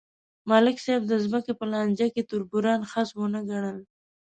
ملک صاحب د ځمکې په لانجه کې تربوران خس ونه ګڼل.